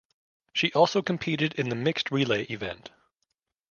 She also competed in the mixed relay event.